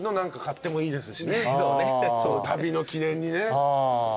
旅の記念にね。